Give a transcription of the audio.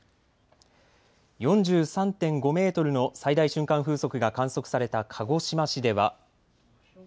４３．５メートルの最大瞬間風速が観測された鹿児島市では。